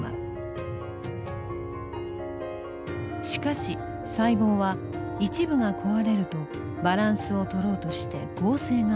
しかし細胞は一部が壊れるとバランスをとろうとして合成が起こる。